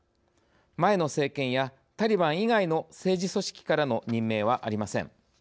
前の政権やタリバン以外の政治組織からの任命はありません。